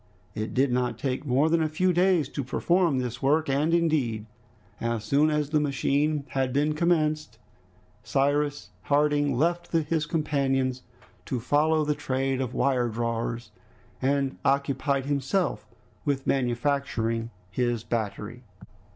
It did not take more than a few days to perform this work, and indeed as soon as the machine had been commenced, Cyrus Harding left his companions to follow the trade of wiredrawers, and occupied himself with manufacturing his battery.